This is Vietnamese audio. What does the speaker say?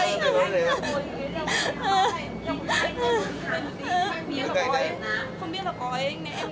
thôi cứ tới điểm này rồi dừng xe lại một hai phút để em yên tĩnh